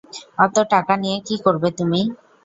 অত টাকা নিয়ে কী করবে তুমি?